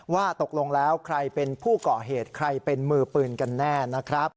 ว่าตกลงแล้วใครเป็นผู้ก่อเหตุใครเป็นมือปืนกันแน่นะครับ